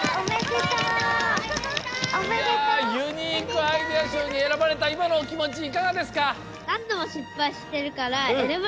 ユニークアイデアしょうにえらばれたいまのおきもちいかがですか？